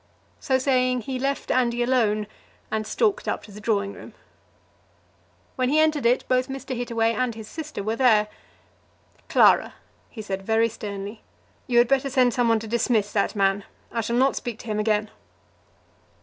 So saying, he left Andy alone and stalked up to the drawing room. When he entered it, both Mr. Hittaway and his sister were there. "Clara," he said very sternly, "you had better send some one to dismiss that man. I shall not speak to him again."